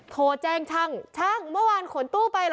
โถแจ้งชั่งชั่งเมื่อวานขนตู้ไปหรอ